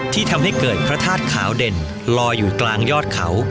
ที่ทำให้เกิดพระธาตุขาวเด่นลอยอยู่กลางยอดเขา